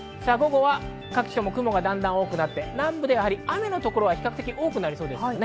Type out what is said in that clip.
各地とも雲がだんだん多くなって南部では雨のところが比較的多くなりそうです。